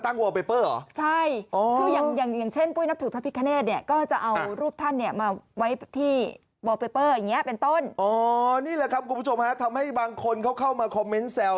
นี่แหละครับคุณผู้ชมฮะทำให้บางคนเขาเข้ามาคอมเมนต์แซว